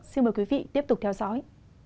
xin mời quý vị tiếp tục theo dõi